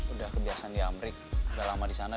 udah kebiasaan di amrik udah lama di sana